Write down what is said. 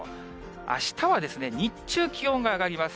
あしたは日中、気温が上がります。